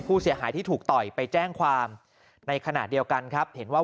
ผู้เสียหายที่ถูกต่อยไปแจ้งความในขณะเดียวกันครับเห็นว่า